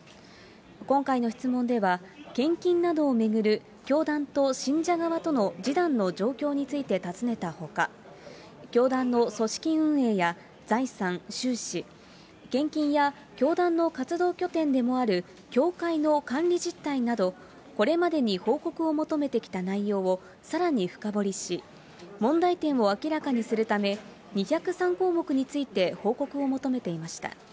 今回の質問では、献金などを巡る教団と信者側との示談の状況について尋ねたほか、教団の組織運営や財産、収支、献金や教団の活動拠点でもある教会の管理実態など、これまでに報告を求めてきた内容をさらに深掘りし、問題点を明らかにするため、２０３項目について報告を求めていました。